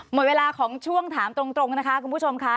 หมดเวลาของช่วงถามตรงนะคะคุณผู้ชมค่ะ